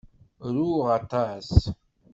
Ruɣ aṭas.